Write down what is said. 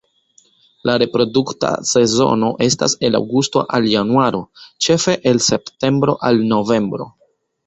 La reprodukta sezono estas el aŭgusto al januaro, ĉefe el septembro al novembro.